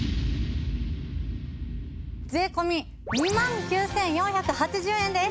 税込２万９４８０円です。